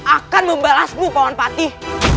akan membalasmu pawan patih